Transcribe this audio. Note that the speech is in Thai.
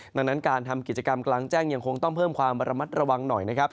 ดังนั้นการทำกิจกรรมกลางแจ้งยังคงต้องเพิ่มความระมัดระวังหน่อยนะครับ